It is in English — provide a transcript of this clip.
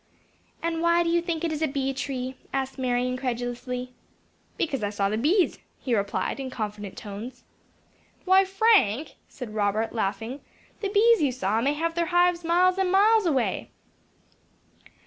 "And why do you think it is a bee tree?" asked Mary, incredulously. "Because I saw the bees," he replied, in confident tones. "Why, Frank," said Robert, laughing, "the bees you saw may have their hives miles and miles away."